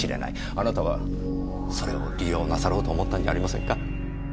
あなたはそれを利用なさろうと思ったんじゃありませんか？